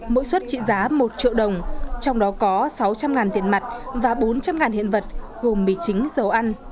mỗi suất trị giá một triệu đồng trong đó có sáu trăm linh tiền mặt và bốn trăm linh hiện vật gồm mì chính dầu ăn